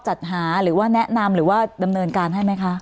จัดหาหรือว่าแนะนำหรือว่าดำเนินการให้ไหมคะ